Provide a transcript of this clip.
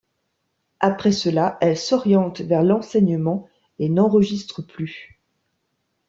Après cela, elle s'oriente vers l'enseignement et n'enregistre plus.